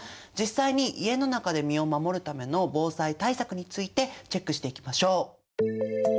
実際に家の中で身を守るための防災対策についてチェックしていきましょう。